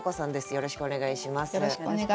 よろしくお願いします。